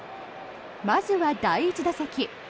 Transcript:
まずは、第１打席。